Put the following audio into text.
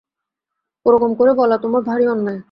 ওরকম করে বলা তোমার ভারি অন্যায়।